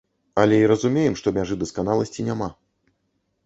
Але і разумеем, што мяжы дасканаласці няма.